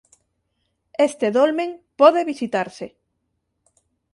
Este dolmen pode visitarse.